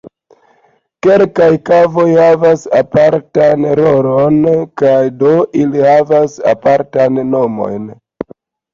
Kelkaj kavoj havas apartan rolon kaj do ili havas apartajn nomojn.